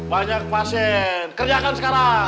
banyak pasien kerjakan sekarang